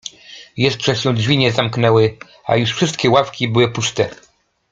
Jeszcze się drzwi nie zamknęły, a już wszystkie ławki były puste.